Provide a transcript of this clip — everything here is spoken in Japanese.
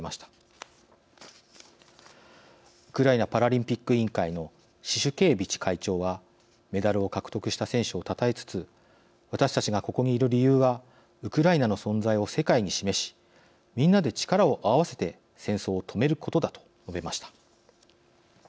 ウクライナパラリンピック委員会のシシュケービチ会長はメダルを獲得した選手をたたえつつ「私たちがここにいる理由はウクライナの存在を世界に示しみんなで力を合わせて戦争を止めることだ」と述べました。